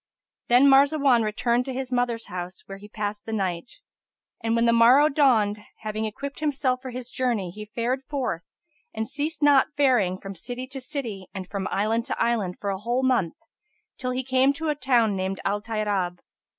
Then Marzawan returned to his mother's house, where he passed the night. And when the morrow dawned, having equipped himself for his journey, he fared forth and ceased not faring from city to city and from island to island for a whole month, till he came to a town named Al Tayrab.